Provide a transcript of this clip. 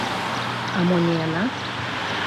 А мо не яна?